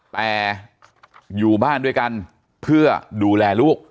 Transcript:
แต่อยู่บ้านด้วยกันเพื่อดูแลลูก